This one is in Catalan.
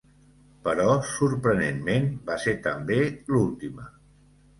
Però, sorprenentment va ser també l'última.